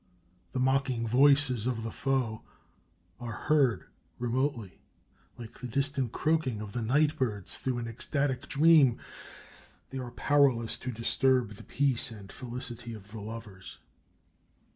The mocking voices of the foe are heard remotely, like the distant croaking of night birds through an ecstatic dream: they are powerless to disturb the peace and felicity of the lovers.